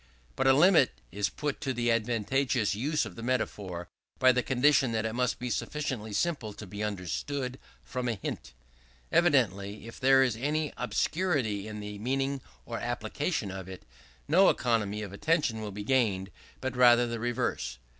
But a limit is put to the advantageous use of the Metaphor, by the condition that it must be sufficiently simple to be understood from a hint. Evidently, if there be any obscurity in the meaning or application of it, no economy of attention will be gained; but rather the reverse.